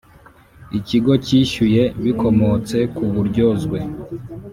Ikigo cyishyuye bikomotse ku buryozwe